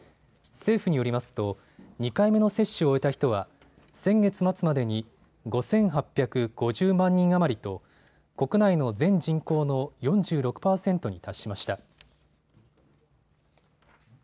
政府によりますと２回目の接種を終えた人は先月末までに５８５０万人余りと国内の全人口の４６％に達しました。